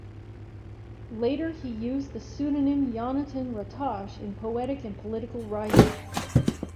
Later he used the pseudonym Yonatan Ratosh in poetic and political writing.